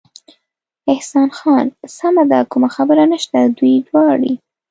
احسان خان: سمه ده، کومه خبره نشته، دوی دواړې.